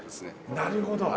なるほど。